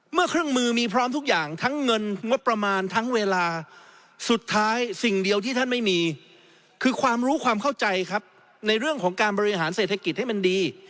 เครื่องมือมีพร้อมทุกอย่างทั้งเงินงบประมาณทั้งเวลาสุดท้ายสิ่งเดียวที่ท่านไม่มีคือความรู้ความเข้าใจครับในเรื่องของการบริหารเศรษฐกิจให้มันดี